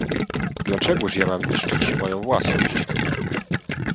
"Dlaczegóż ja mam niszczyć moją własność."